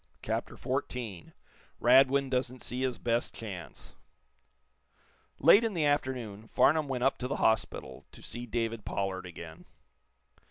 CHAPTER XIV RADWIN DOESN'T SEE HIS BEST CHANCE Late in the afternoon Farnum went up to the hospital to see David Pollard again.